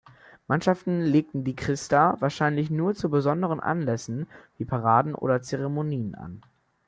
Mannschaften legten die "Crista" wahrscheinlich nur zu besonderen Anlässen wie Paraden oder Zeremonien an.